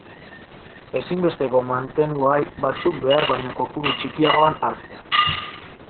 Ezinbesteko mantenugai batzuk behar baino kopuru txikiagoan hartzea.